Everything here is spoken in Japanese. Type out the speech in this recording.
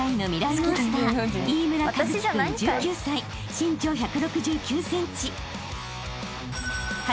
［身長１６９ｃｍ］